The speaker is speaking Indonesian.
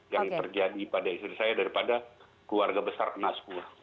yang terjadi pada istri saya daripada keluarga besar kena semua